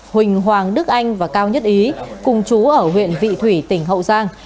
huỳnh hoàng đức anh và cao nhất ý cùng chú ở huyện vị thủy tỉnh hậu giang